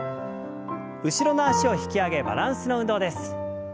後ろの脚を引き上げバランスの運動です。